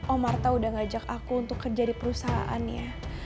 oh marta udah ngajak aku untuk kerja di perusahaannya